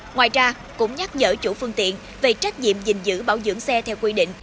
ngoài ra cũng nhắc nhở chủ phương tiện về trách nhiệm gìn giữ bảo dưỡng xe theo quy định